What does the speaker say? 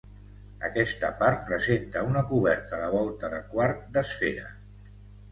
Aquesta part presenta una coberta de volta de quart d'esfera.